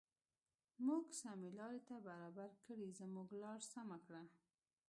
موږ سمې لارې ته برابر کړې زموږ لار سمه کړه.